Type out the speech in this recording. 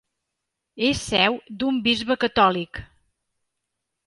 És seu d'un bisbe catòlic.